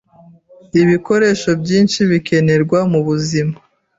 ibikoresho byinshi bikenerwa mu buzima